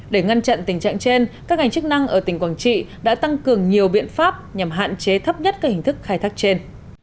để ngăn chặn tình trạng trên các ngành chức năng ở tỉnh quảng trị đã tăng cường nhiều biện pháp nhằm hạn chế thấp nhất các hình thức khai thác trên